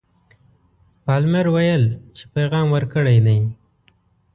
پالمر ویل چې پیغام ورکړی دی.